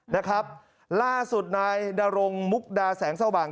นะครับล่าสุดนายนรงมุกดาแสงสว่าง